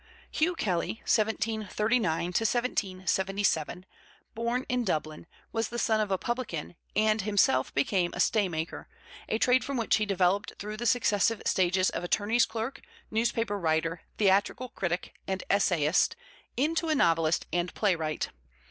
Hugh Kelly (1739 1777), born in Dublin, was the son of a publican and himself became a staymaker, a trade from which he developed through the successive stages of attorney's clerk, newspaper writer, theatrical critic, and essayist, into a novelist and playwright.